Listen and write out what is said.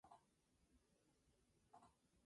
El acceso del público es libre y gratuito.